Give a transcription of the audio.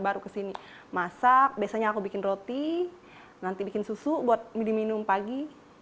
baru kesini masak biasanya aku bikin roti nanti bikin susu buat diminum pagi